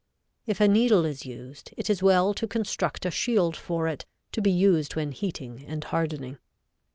If a needle is used, it is well to construct a shield for it, to be used when heating and hardening.